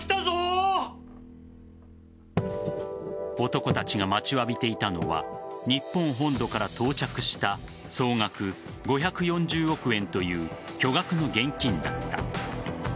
男たちが待ちわびていたのは日本本土から到着した総額５４０億円という巨額の現金だった。